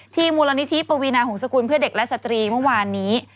มูลนิธิปวีนาหงษกุลเพื่อเด็กและสตรีเมื่อวานนี้